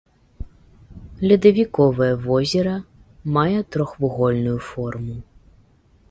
Ледавіковае возера, мае трохвугольную форму.